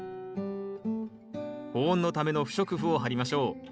保温のための不織布を張りましょう。